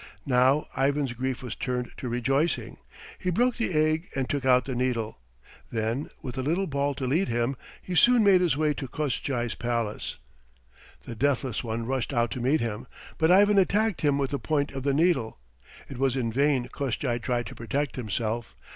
Now Ivan's grief was turned to rejoicing. He broke the egg and took out the needle. Then, with the little ball to lead him, he soon made his way to Koshchei's palace. The Deathless One rushed out to meet him, but Ivan attacked him with the point of the needle. It was in vain Koshchei tried to protect himself.